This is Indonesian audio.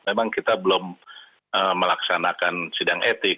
memang kita belum melaksanakan sidang etik